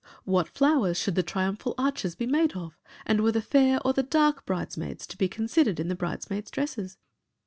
What flowers should the triumphal arches be made of and were the fair or the dark bridesmaids to be considered in the bridesmaids' dresses?